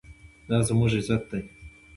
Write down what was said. دا زموږ عزت دی؟